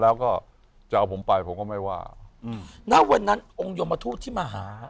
แล้วก็จะเอาผมไปผมก็ไม่ว่าอืมณวันนั้นองค์ยมทูตที่มาหา